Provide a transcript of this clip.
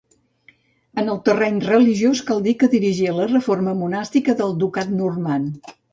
En el terreny religiós cal dir que dirigí la reforma monàstica del ducat normand.